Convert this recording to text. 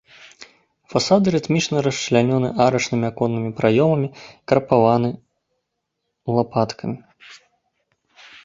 Фасады рытмічна расчлянёны арачнымі аконнымі праёмамі, крапаваны лапаткамі.